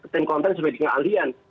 tim content sebagai dengan ahli an